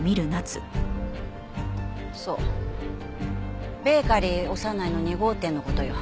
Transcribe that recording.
そうベーカリーオサナイの２号店の事よ。